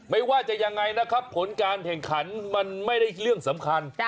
ไม่ว่าจะยังไงนะครับผลการแข่งขันมันไม่ได้เรื่องสำคัญ